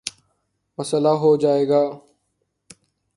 مسلہ ہو جائے گا۔